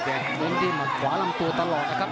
ตรงนี้เหมาะขวาลำตัวตลอดนะครับ